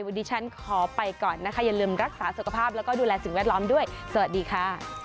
เบาแล้วนะ